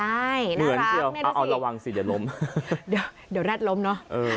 ใช่น่ารักเอาระวังสิเดี๋ยวล้มเดี๋ยวแร็ดล้มเนอะเออ